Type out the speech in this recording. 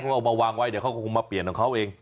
เขาเอามาวางไว้เดี๋ยวเขาก็คงมาเปลี่ยนของเขาเอง